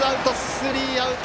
スリーアウト。